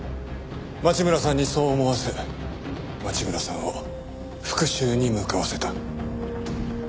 町村さんにそう思わせ町村さんを復讐に向かわせた。